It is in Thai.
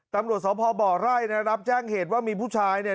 กำลัวสาวพ่อบ่อไร้เนี่ยรับแจ้งเหตุว่ามีผู้ชายเนี่ย